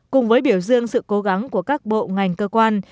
cùng với biểu dương sự cố gắng của các bộ ngành cơ quan